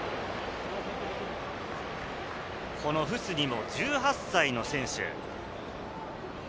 このフスニも１８歳の選手。